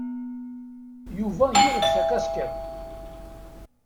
Yuba yuɣ-d takaskiḍt.